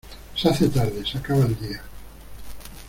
Se hace tarde, se acaba el día.